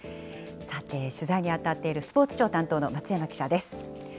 さて、取材に当たっているスポーツ庁担当の松山記者です。